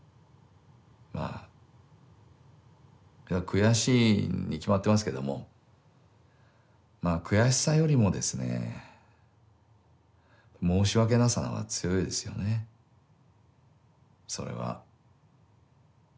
まあいや悔しいに決まってますけども悔しさよりもですね申し訳なさの方が強いですよねそれは。